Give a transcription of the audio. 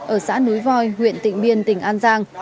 ở xã núi voi huyện tịnh biên tỉnh an giang